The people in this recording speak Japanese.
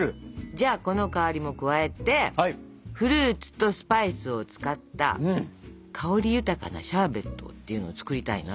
じゃあこの香りも加えてフルーツとスパイスを使った香り豊かなシャーベットっていうのを作りたいなと。